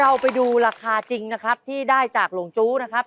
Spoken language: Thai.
เราไปดูราคาจริงนะครับที่ได้จากหลงจู้นะครับ